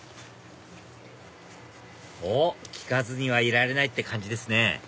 おっ聞かずにはいられないって感じですね